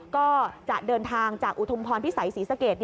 ก็จะเดินทางจากอุทุมพรพิสัยศรีสะเกด